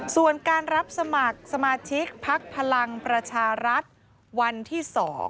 ส่วนการรับสมัครสมาชิกพักพลังประชารัฐวันที่๒